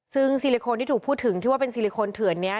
ซึ่งซิลิโคนที่ถูกพูดถึงที่ว่าเป็นซิลิโคนเถื่อนนี้